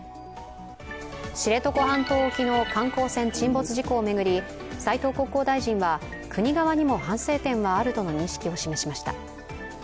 知床半島沖の観光船沈没事故を巡り、斉藤国交大臣は、国側にも反省点はあるとの認識を示しました。